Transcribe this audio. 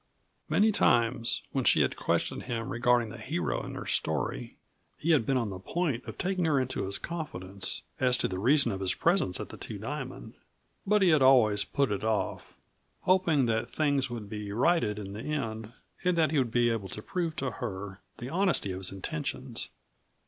Many times, when she had questioned him regarding the hero in her story, he had been on the point of taking her into his confidence as to the reason of his presence at the Two Diamond, but he had always put it off, hoping that things would be righted in the end and that he would be able to prove to her the honesty of his intentions.